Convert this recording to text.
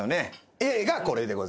Ａがこれでございました。